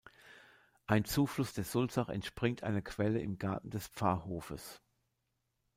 Ein Zufluss der Sulzach entspringt einer Quelle im Garten des Pfarrhofes.